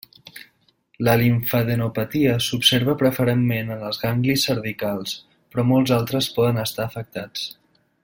La limfadenopatia s'observa preferentment en els ganglis cervicals, però molts altres poden estar afectats.